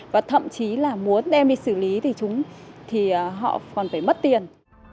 và thậm chí là muốn đem đi xử lý thì họ còn phải mất tiền